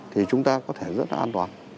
thì chúng ta có thể rất là an toàn